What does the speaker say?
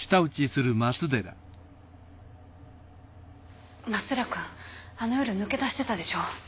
松寺君あの夜抜け出してたでしょ？